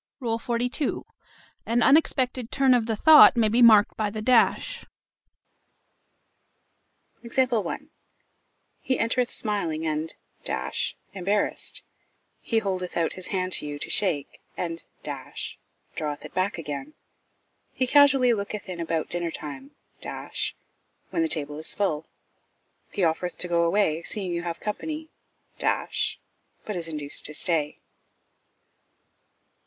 XLII. An unexpected turn of the thought may be marked by the dash. He entereth smiling and embarrassed. He holdeth out his hand to you to shake, and draweth it back again. He casually looketh in about dinner time when the table is full. He offereth to go away, seeing you have company but is induced to stay.